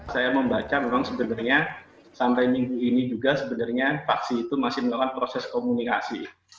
saya membaca memang sebenarnya sampai minggu ini juga sebenarnya vaksin itu masih melakukan proses komunikasi